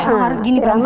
harus begini perempuan